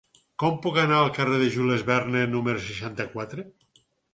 Com puc anar al carrer de Jules Verne número seixanta-quatre?